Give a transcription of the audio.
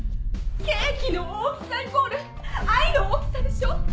ケーキの大きさイコール愛の大きさでしょ！